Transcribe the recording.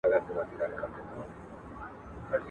تعليم شوې نجونې ګډ کار ملاتړ کوي.